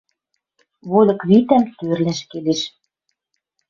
Вольык витӓм тӧрлӓш келеш